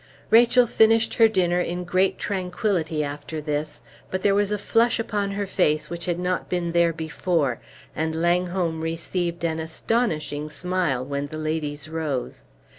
Rachel finished her dinner in great tranquillity after this; but there was a flush upon her face which had not been there before, and Langholm received an astonishing smile when the ladies rose.